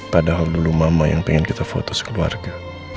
padahal dulu mama yang pengen kita foto sekeluarga